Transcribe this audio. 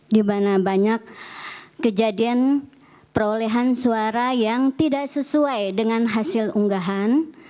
di mana banyak kejadian perolehan suara yang tidak sesuai dengan hasil unggahan